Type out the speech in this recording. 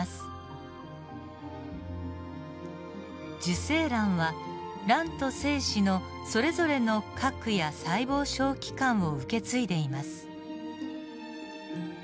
受精卵は卵と精子のそれぞれの核や細胞小器官を受け継いでいます。